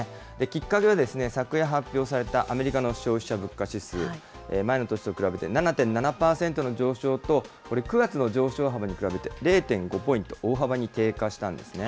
きっかけはですね、昨夜発表されたアメリカの消費者物価指数、前の年と比べて７．７％の上昇と、これ、９月の上昇幅に比べて０．５ポイント大幅に低下したんですね。